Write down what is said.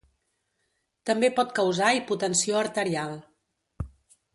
També pot causar hipotensió arterial.